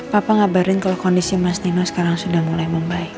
papa ngabarin kalau kondisi mas dino sekarang sudah mulai membaik